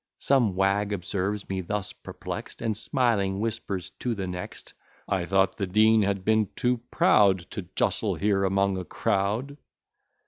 Some wag observes me thus perplex'd, And, smiling, whispers to the next, "I thought the Dean had been too proud, To justle here among a crowd!"